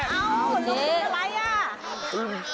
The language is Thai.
อ๋อลงทุนอะไรอ่ะ